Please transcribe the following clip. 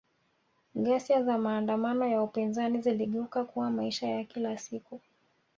Ghasia za maandamano ya upinzani ziligeuka kuwa maisha ya kila siku